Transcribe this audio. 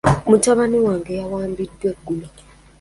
Mutabani wange yawambiddwa eggulo .